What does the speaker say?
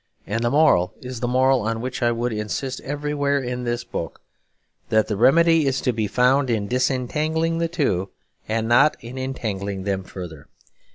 And the moral is the moral on which I would insist everywhere in this book; that the remedy is to be found in disentangling the two and not in entangling them further.